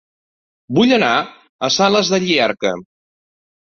Vull anar a Sales de Llierca